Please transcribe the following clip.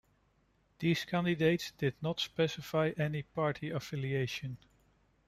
These candidates did not specify any party affiliation.